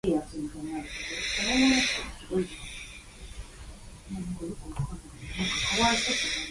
After retirement, Gallego turned his attention towards coaching.